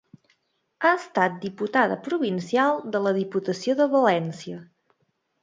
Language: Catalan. Ha estat diputada provincial de la diputació de València.